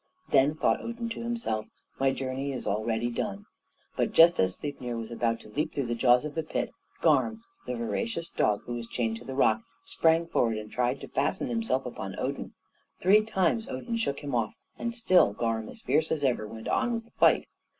Then thought Odin to himself, "My journey is already done." But just as Sleipnir was about to leap through the jaws of the pit, Garm, the voracious dog who was chained to the rock, sprang forward, and tried to fasten himself upon Odin. Three times Odin shook him off, and still Garm, as fierce as ever, went on with the fight.